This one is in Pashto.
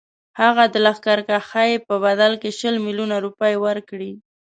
هغه د لښکرکښۍ په بدل کې شل میلیونه روپۍ ورکړي.